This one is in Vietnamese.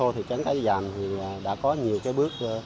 thị trấn cái đô dàm đã có nhiều bước